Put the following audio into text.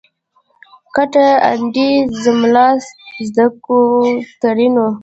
کټه اندي څملستوب زده کو؛ ترينو